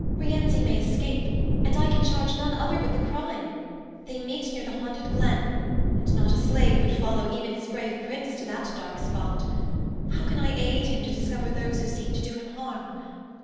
Rienzi may escape, and I can charge none other with the crime. They meet near the haunted glen, and not a slave would follow even his brave prince to that dark spot. How can I aid him to discover those who seek to do him harm?